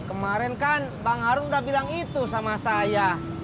kemarin kan bang harum udah bilang itu sama saya